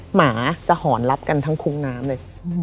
หมาจะหอนรับกันทั้งคุ้งน้ำเลย